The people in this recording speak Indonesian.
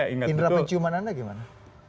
indra penciuman anda gimana